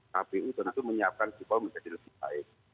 kpu tentu menyiapkan supaya menjadi lebih baik